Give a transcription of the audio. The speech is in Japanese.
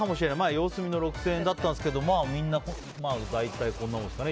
様子見の６０００円だったんですが大体みんなこんなもんですかね。